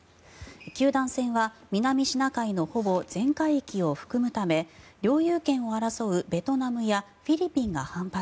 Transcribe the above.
九段線は南シナ海のほぼ全海域を含むため領有権を争うベトナムやフィリピンが反発。